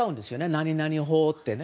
何々法ってね。